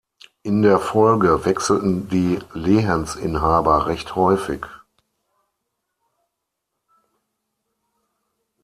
In der Folge wechselten die Lehensinhaber recht häufig.